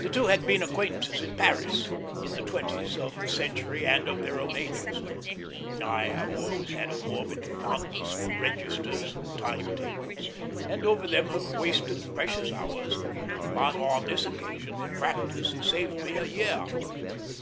The two had been acquaintances in Paris, in the twenties of the century and of their own ages. I have always had a morbid fondness for registers and time tables, and over them have wasted precious hours; but on this occasion the practice saved me a year.